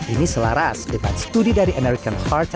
ini selaras depan studi dari american heart